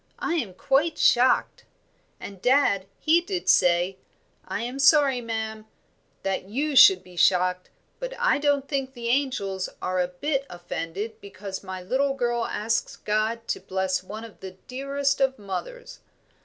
I am quite shocked,' and dad, he did say, 'I am sorry, ma'am, that you should be shocked, but I don't think the angels are a bit offended because my little girl asks God to bless one of the dearest of mothers.'